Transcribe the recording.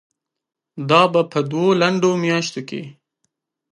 دا به په دوو لنډو میاشتو کې